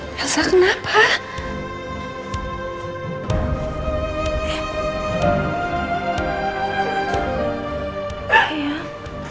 ini cukup kan